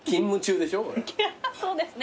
そうですね。